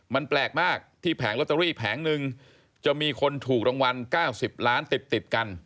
มันแปลกมากที่แผงลอตเตอรี่แผงนึงจะมีคนถูกรางวัล๙๐ล้านติดกัน